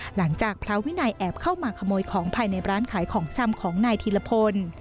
หลังจากพระวินัยแอบเข้ามาขโมยของภายในร้านขายของชำของนายธีรพล